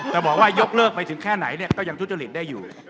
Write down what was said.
แต่บอกว่ายกเลิกไปถึงแค่ไหนก็ยังทุจริตได้อยู่